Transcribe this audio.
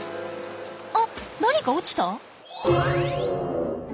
あっ何か落ちた？